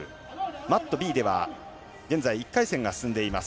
マットＢでは現在１回戦が進んでいます。